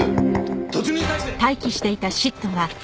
突入態勢！